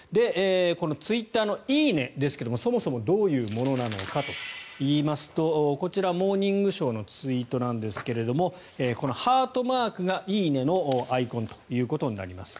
このツイッターの「いいね」ですがそもそもどういうものなのかといいますとこちら、「モーニングショー」のツイートなんですがこのハートマークが「いいね」のアイコンということになります。